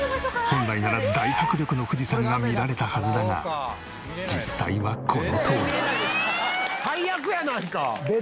本来なら大迫力の富士山が見られたはずだが実際はこのとおり。